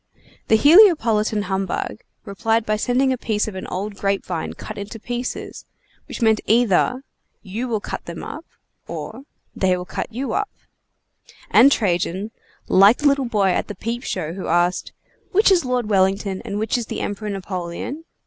The Heliopolitan humbug replied by sending a piece of an old grape vine cut into pieces, which meant either: "You will cut them up," or "They will cut you up;" and Trajan, like the little boy at the peep show who asked: "which is Lord Wellington and which is the Emperor Napoleon?"